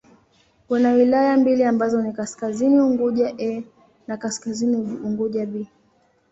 Kuna wilaya mbili ambazo ni Kaskazini Unguja 'A' na Kaskazini Unguja 'B'.